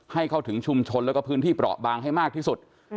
ให้เข้าถึงชุมชนแล้วก็พื้นที่เปราะบางให้มากที่สุด